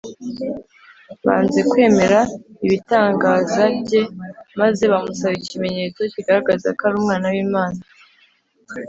Banze kwemera ibitangaza bye, maze bamusaba ikimenyetso kigaragaza ko ari Umwana w’Imana